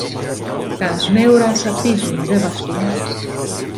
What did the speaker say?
Τα σμέουρα σαπίζουν, δε βαστούν!